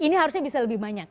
ini harusnya bisa lebih banyak